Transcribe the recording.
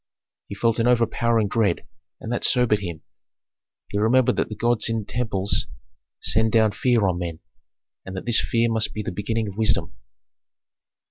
He felt an overpowering dread, and that sobered him. He remembered that the gods in temples send down fear on men, and that this fear must be the beginning of wisdom.